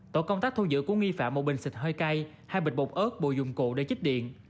tổ công tác thu giữ của nghi phạm một bình xịt hơi cay hai bịch bột ớt bộ dụng cụ để chích điện